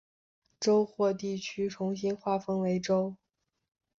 州或地区重新划分为州。